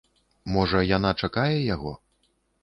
Можа, яна чакае яго?